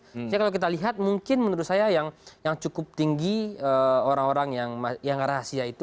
jadi kalau kita lihat mungkin menurut saya yang cukup tinggi orang orang yang rahasia itu